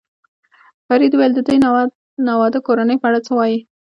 فرید وویل: د دې ناواده کورنۍ په اړه څه وایې؟